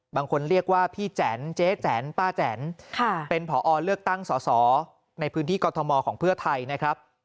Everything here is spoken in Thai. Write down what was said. บางคนเรียกว่าพี่แจ๋นเจ๊แจ๋นป้าแจ๋นเป็นผอเลือกตั้งสอสอในพื้นที่กรทมของเพื่อไทยนะครับ